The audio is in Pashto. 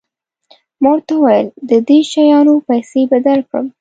ما ورته وویل د دې شیانو پیسې به درکړم.